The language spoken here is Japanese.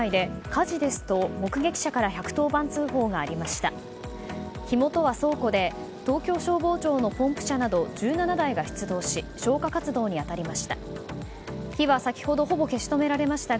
火元は倉庫で東京消防庁のポンプ車など１７台が出動し消火活動に当たりました。